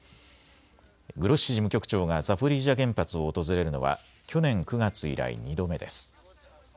グロッシ事務局長がザポリージャ原発を訪れるのは去年９月以来、２度目です。